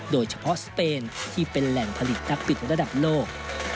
สเปนที่เป็นแหล่งผลิตนักปิดระดับโลก